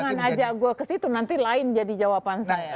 jangan aja gue kesitu nanti lain jadi jawaban saya